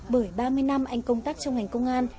bởi ba mươi năm anh công tác trong ngành công an